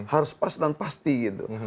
harus pas dan pasti gitu